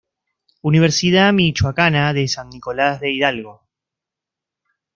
Universidad Michoacana de San Nicolas de Hidalgo.